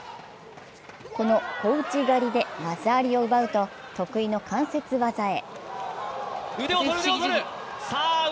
この小内刈で技ありを奪うと、得意の関節技へ。